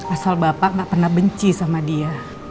asal bapak nggak pernah benci sama dia